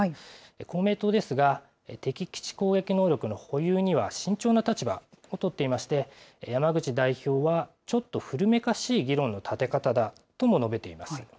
公明党ですが、敵基地攻撃能力の保有には慎重な立場を取っていまして、山口代表は、ちょっと古めかしい議論の立て方だとも述べています。